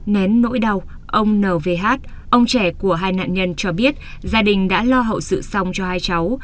nén nỗi đau ông n v h ông trẻ của hai nạn nhân cho biết gia đình đã lo hậu sự xong cho hai cháu